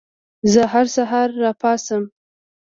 زه هر سهار راپاڅم.